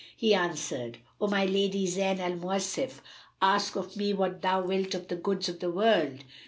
He answered, "O my lady Zayn al Mawasif, ask of me what thou wilt of the goods of the world."